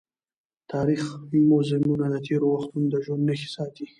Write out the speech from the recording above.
تاریخي موزیمونه د تېرو وختونو د ژوند نښې ساتي.